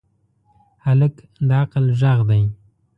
هلک د عقل غږ دی.